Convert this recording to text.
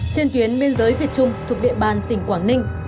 trên tuyến biên giới việt trung thuộc địa bàn tỉnh quảng ninh